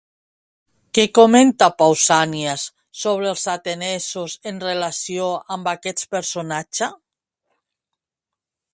Què comenta Pausànies sobre els atenesos en relació amb aquest personatge?